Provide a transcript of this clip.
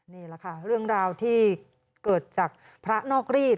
นี่แหละค่ะเรื่องราวที่เกิดจากพระนอกรีด